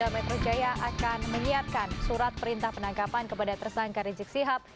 polda metro jaya akan menyiapkan surat perintah penangkapan kepada tersangka rizik sihab